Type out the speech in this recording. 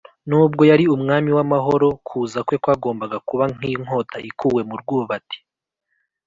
Nubwo yari Umwami w’Amahoro, kuza kwe kwagombaga kuba nk’inkota ikuwe mu rwubati